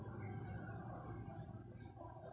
มีเวลาเมื่อเวลาเมื่อเวลา